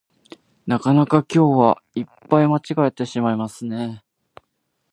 なかなか今日はいっぱい間違えてしまっていますね